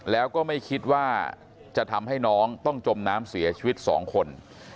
แล้วก็ไม่คิดว่าจะทำให้น้องต้องจมน้ำเสียชีวิต๒คน